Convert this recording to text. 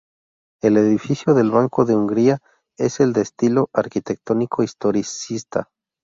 El edificio del Banco de Hungría es del estilo arquitectónico historicista.